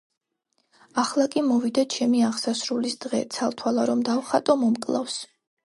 ახლა კი მოვიდა ჩემი აღსასრულის დღე, ცალთვალა რომ დავხატო, მომკლავს,